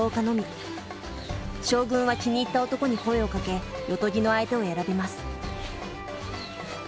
将軍は気に入った男に声をかけ夜伽の相手を選びます。